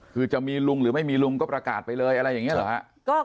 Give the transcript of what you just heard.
คือจะมีลุงหรือไม่มีลุงก็ประกาศไปเลยอะไรอย่างนี้เหรอฮะ